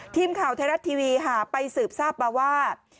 ทีมข่าวไทยรัฐทีวีค่ะไปสืบทราบมาว่า